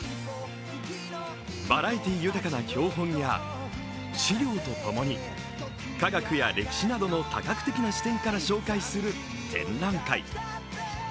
バラエティー豊かな標本や資料とともに科学や歴史などの多角的な視点から紹介する展覧会。